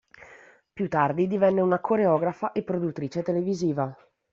Più tardi divenne una coreografa e produttrice televisiva.